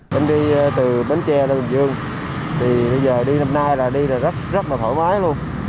tôi đi từ bến tre đến hồ chí minh thì bây giờ đi năm nay là đi rất là thoải mái luôn